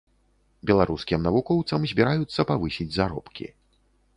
Беларускім навукоўцам збіраюцца павысіць заробкі.